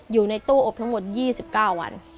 อยู่ในตู้อบทั้งหมด๒๙วัน